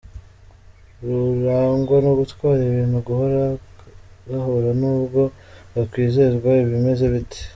Rurangwa no gutwara ibintu gahoro gahoro nubwo bakwizezwa ibimeze bite.